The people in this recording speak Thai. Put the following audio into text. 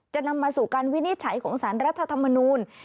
นำมาสู่การวินิจฉัยของสารรัฐธรรมนูล